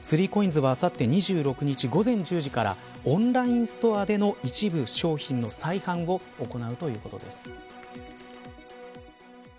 スリーコインズはあさって２６日午前１０時からオンラインストアでの一部商品の再販を行うということです。